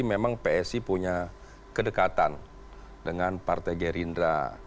memang psi punya kedekatan dengan partai gerindra